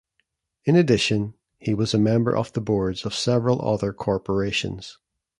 In addition, he was a member of the boards of several other corporations.